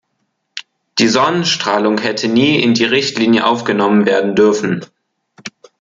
Die Sonnenstrahlung hätte nie in die Richtlinie aufgenommen werden dürfen.